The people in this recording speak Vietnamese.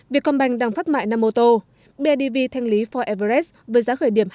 việc còn bành đăng phát mại năm ô tô bidv thanh lý ford everest với giá khởi điểm